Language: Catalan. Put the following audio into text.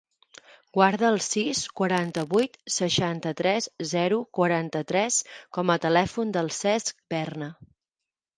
Guarda el sis, quaranta-vuit, seixanta-tres, zero, quaranta-tres com a telèfon del Cesc Berna.